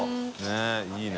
佑いいね。